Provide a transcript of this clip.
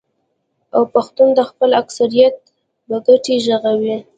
او پښتون د خپل اکثريت بګتۍ ږغوي.